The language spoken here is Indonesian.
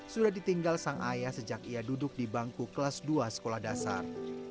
sudah ditinggal sang ayah sejak ia duduk di bangku kelas dua sekolah dasar